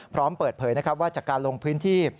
พร้อมเปิดเผยนะครับว่าจากการลงพื้นที่